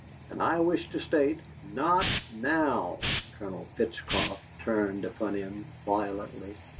"And I wish to state " "Not now!" Colonel Flitcroft turned upon him violently.